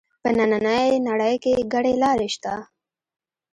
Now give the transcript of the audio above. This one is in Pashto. په نننۍ نړۍ کې ګڼې لارې شته